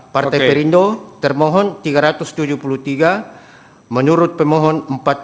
partai perindo termohon tiga ratus tujuh puluh tiga menurut pemohon empat puluh lima